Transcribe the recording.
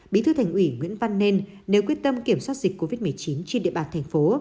bí thư thành ủy nguyễn văn nên nếu quyết tâm kiểm soát dịch covid một mươi chín trên địa bàn thành phố